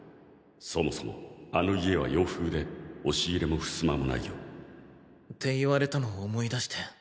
そもそもあの家は洋風で押し入れも襖も無いよって言われたのを思い出して。